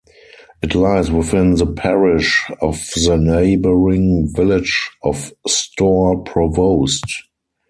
It lies within the parish of the neighbouring village of Stour Provost.